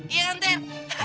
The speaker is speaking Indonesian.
iya kan ter